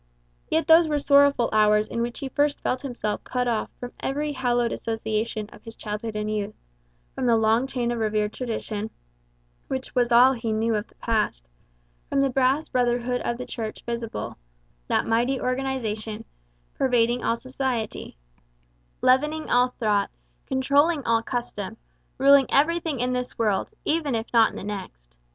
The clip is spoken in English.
Yet those were sorrowful hours in which he first felt himself cut off from every hallowed association of his childhood and youth; from the long chain of revered tradition, which was all he knew of the past; from the vast brotherhood of the Church visible that mighty organization, pervading all society, leavening all thought, controlling all custom, ruling everything in this world, even if not in the next.